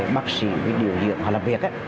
bác sĩ điều diện họ làm việc